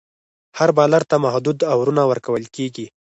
هر بالر ته محدود اوورونه ورکول کیږي.